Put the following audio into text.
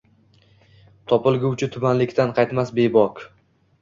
Topilguvchi tubanlikdan qaytmas bebok.